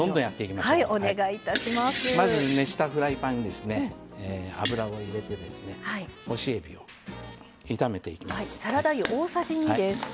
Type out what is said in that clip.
まず、熱したフライパンに油を入れて干しえびを炒めていきます。